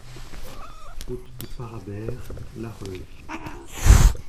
Route de Parabère, Larreule